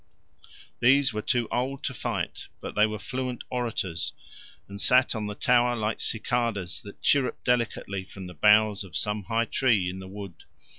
These were too old to fight, but they were fluent orators, and sat on the tower like cicales that chirrup delicately from the boughs of some high tree in a wood.